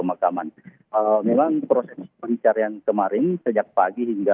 selamat siang terima kasih